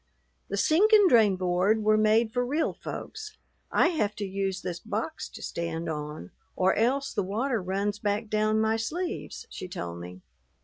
"The sink and drain board were made for real folks. I have to use this box to stand on, or else the water runs back down my sleeves," she told me.